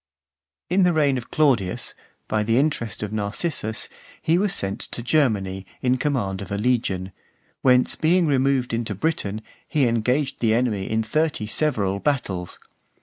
(444) IV. In the reign of Claudius, by the interest of Narcissus, he was sent to Germany, in command of a legion; whence being removed into Britain, he engaged the enemy in thirty several battles.